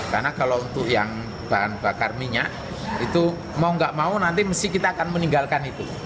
karena kalau untuk yang bahan bakar minyak itu mau nggak mau nanti kita akan meninggalkan itu